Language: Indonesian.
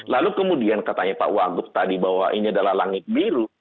lalu kemudian katanya pak wagub tadi bahwa ini adalah langit biru